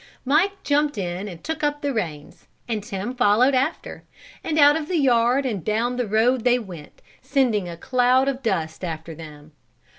Mike jumped in and took up the reins and Tim followed after, and out of the yard and down the road they went, sending a cloud of dust after them.